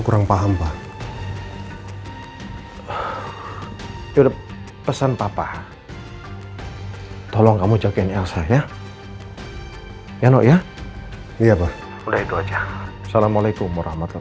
kurang paham pak ya udah pesan papa tolong kamu jagain elsa ya ya noh ya iya pak udah itu aja salamualaikum warahmatullahi wabarakatuh